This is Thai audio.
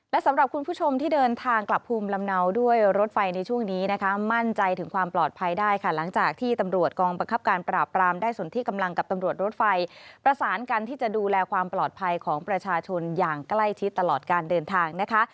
และสำหรับคุณผู้ชมที่เดินทางกลับภูมิลำเนาด้วยรถไฟในช่วงนี้นะคะมั่นใจถึงความปลอดภัยได้ค่ะหลังจากที่ตำรวจกองบังคับการปราบปรามได้ส่วนที่กำลังกับตำรวจรถไฟประสานกันที่จะดูแลความปลอดภัยของประชาชนอย่างใกล้ชิดตลอดการเดินทางนะคะ